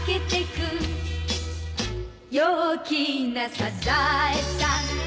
「陽気なサザエさん」